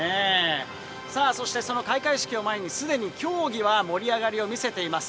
そしてその開会式を前にすでに競技は盛り上がりを見せています。